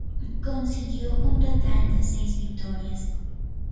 Consiguió un total de seis victorias.